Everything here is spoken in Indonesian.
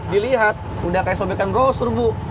dilihat udah kayak sobekan brosur bu